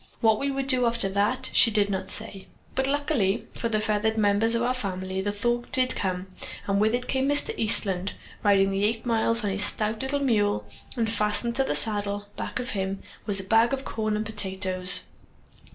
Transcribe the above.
What we would do after that, she did not say; but, luckily, for the feathered members of our family, the thaw did come and with it came Mr. Eastland, riding the eight miles on his stout little mule, and fastened to the saddle, back of him, was a bag of corn and potatoes.